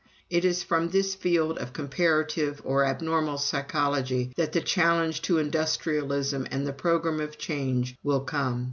It is from this field of comparative or abnormal psychology that the challenge to industrialism and the programme of change will come.